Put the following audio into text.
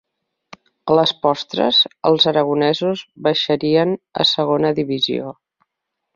A les postres, els aragonesos baixarien a Segona Divisió.